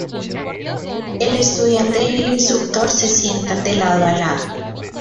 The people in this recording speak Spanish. El estudiante y el instructor se sientan de lado a lado.